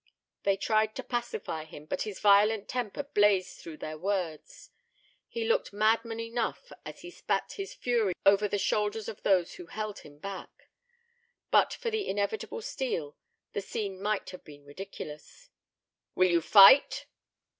They tried to pacify him, but his violent temper blazed through their words. He looked madman enough as he spat his fury over the shoulders of those who held him back. But for the inevitable steel, the scene might have been ridiculous. "Will you fight?"